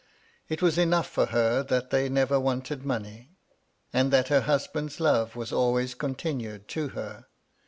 It was enough for her that they never wanted money, and that her husband's love was always continued to her.